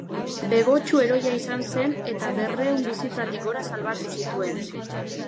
Begotxu heroia izan zen eta berrehun bizitzatik gora salbatu zituen.